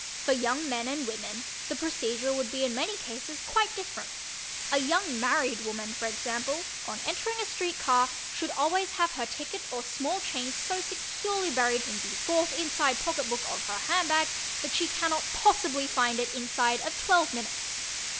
For young men and women the procedure would be in many cases quite different. A young married woman, for example, on entering a street car, should always have her ticket or small "change" so securely buried in the fourth inside pocketbook of her handbag that she cannot possibly find it inside of twelve minutes.